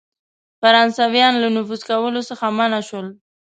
فرانسیویان له نفوذ کولو څخه منع سول.